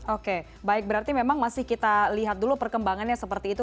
oke baik berarti memang masih kita lihat dulu perkembangannya seperti itu